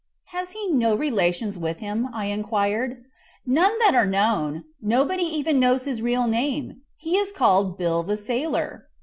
"Has he no relations with him?" I enquired. "None that are known. Nobody even knows his real name; he is called Bill the Sailor."